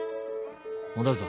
戻るぞ。